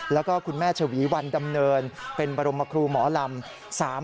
แล้วก็คุณแม่ชวีวันดำเนินเป็นบรมครูหมอลำ